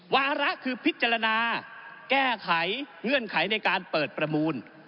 วาระคือพิจารณาแก้ไขเงื่อนไขในการเปิดประมูล